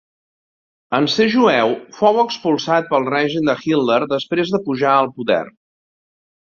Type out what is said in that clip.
En ser jueu fou expulsat pel règim de Hitler després de pujar al poder.